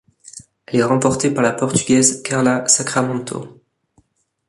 Elle est remportée par la Portugaise Carla Sacramento.